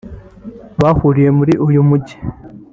bahuriye muri uyu mujyi